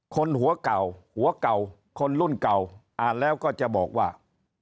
คนหัวเก่าหัวเก่าคนรุ่นเก่าอ่านแล้วก็จะบอกว่า